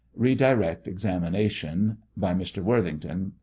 Ee direct examination : By Mr. Worthington : Q.